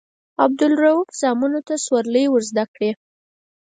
عبدالروف زامنو ته سورلۍ ورزده کړي.